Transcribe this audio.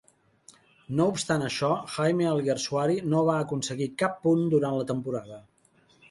No obstant això, Jaime Alguersuari no va aconseguir cap punt durant la temporada.